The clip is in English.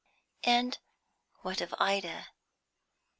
And what of Ida?